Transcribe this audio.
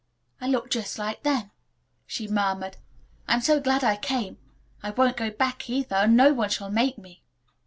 "I look just like them," she murmured. "I'm so glad I came. I won't go back either, and no one shall make me."